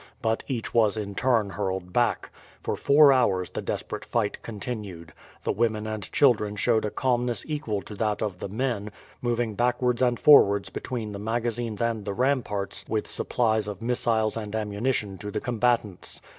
But each was in turn hurled back. For four hours the desperate fight continued. The women and children showed a calmness equal to that of the men, moving backwards and forwards between the magazines and the ramparts with supplies of missiles and ammunition to the combatants.